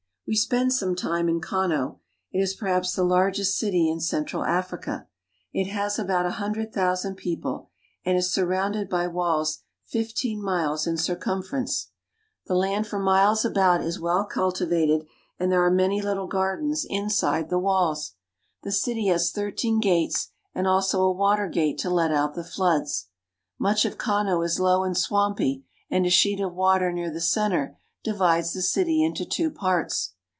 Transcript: We spend some time in Kano. It is, perhaps, the large t city in central Africa ; it has about a hundred thousand topic and is surrounded by walls fifteen miles in circum AFRICA ference. The land for miles about is well cultivated, and there are many little gardens inside the walls. The city has thirteen gates and also a water gate to let out the floods. Much of Kano is low and swampy, and a sheet of water near the center divides the city into two parts.